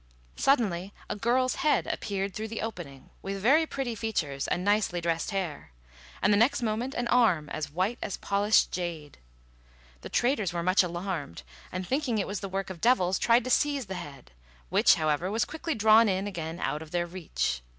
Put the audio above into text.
Suddenly a girl's head appeared through the opening, with very pretty features and nicely dressed hair; and the next moment an arm, as white as polished jade. The traders were much alarmed, and, thinking it was the work of devils, tried to seize the head, which, however, was quickly drawn in again out of their reach.